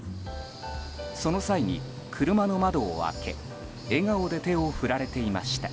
その際に、車の窓を開け笑顔で手を振られていました。